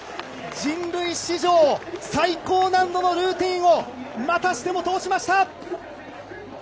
人類史上、最高難度のルーティンを、またしても通しました。